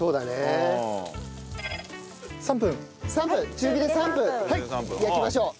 中火で３分焼きましょう。